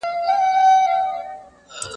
ببۍ کره تګ د نن ورځې تر ټولو مهم کار دی.